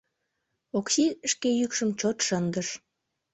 — Окси шке йӱкшым чот шындыш.